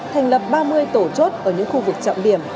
thành lập ba mươi tổ chốt ở những khu vực trọng điểm